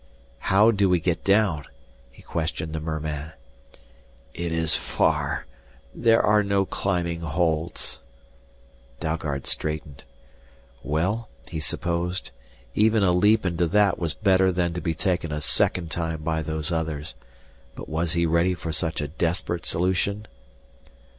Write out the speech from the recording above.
"How do we get down?" he questioned the merman. "It is far, there are no climbing holds " Dalgard straightened. Well, he supposed, even a leap into that was better than to be taken a second time by Those Others. But was he ready for such a desperate solution?